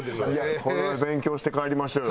これは勉強して帰りましょうよ。